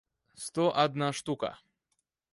сто одна штука